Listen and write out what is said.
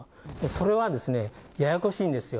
それはややこしいんですよ。